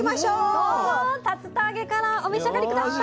どうぞ竜田揚げからお召し上がり下さい。